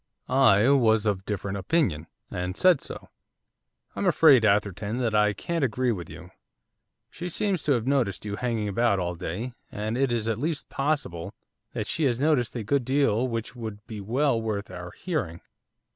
I was of a different opinion, and said so. 'I'm afraid, Atherton, that I can't agree with you. She seems to have noticed you hanging about all day; and it is at least possible that she has noticed a good deal which would be well worth our hearing.